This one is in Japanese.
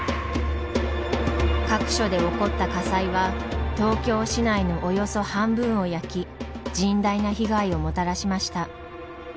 各所で起こった火災は東京市内のおよそ半分を焼き甚大な被害をもたらしました。